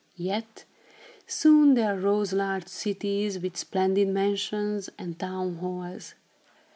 Yet, soon there rose large cities, with splendid mansions and town halls.